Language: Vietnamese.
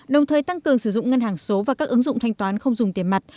đồng thời tăng cường sử dụng ngân hàng số và các ứng dụng thanh toán không dùng tiền mặt